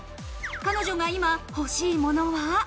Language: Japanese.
彼女が今、欲しいものは。